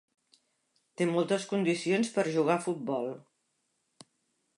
Té moltes condicions per a jugar a futbol.